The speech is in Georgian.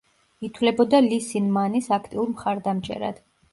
ითვლებოდა ლი სინ მანის აქტიურ მხარდამჭერად.